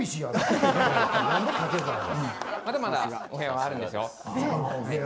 まだまだお部屋はあるんですよ。